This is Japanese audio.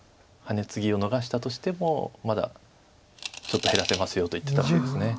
ハネツギを逃したとしてもまだちょっと減らせますよと言ってたわけです。